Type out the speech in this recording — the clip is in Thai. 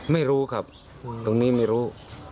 ไม่รู้ครับตรงนี้ไม่รู้